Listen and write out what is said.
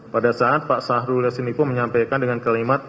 pada saat pak sahrul yasin limpo menyampaikan dengan kelimat